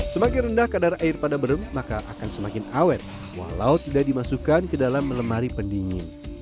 semakin rendah kadar air pada brem maka akan semakin awet walau tidak dimasukkan ke dalam melemari pendingin